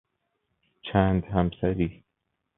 چند همسری